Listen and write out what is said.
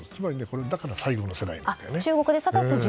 だから最後の世代なんだよね。